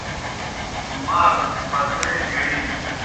مال بتھرِجیْ گڑِیلِن۔